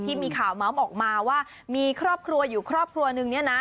ที่มีข่าวเมาส์ออกมาว่ามีครอบครัวอยู่ครอบครัวนึงเนี่ยนะ